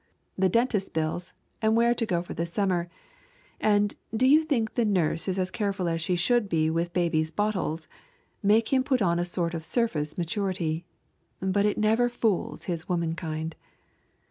The dentist's bills and where to go for the summer and do you think the nurse is as careful as she should be with baby's bottles make him put on a sort of surface maturity. But it never fools his womankind.